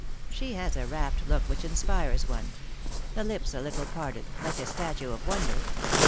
She has a rapt look which inspires one — the lips a little parted, like a statue of Wonder.